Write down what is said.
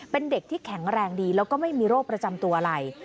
เป็นเด็กที่แข็งแรงดีแล้วก็ไม่มีโรคประจำตัวอะไร